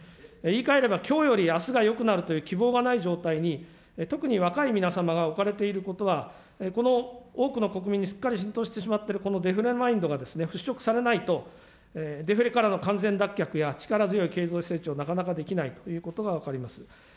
言い換えればきょうよりあすがよくなるという希望がない状態に、特に若い皆様がおかれていることは、この多くの国民にすっかり浸透してしまっているこのデフレマインドが払拭されないと、デフレからの完全脱却や力強い経済成長、なかなかできないということが分かります。